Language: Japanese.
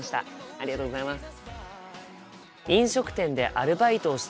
ありがとうございます。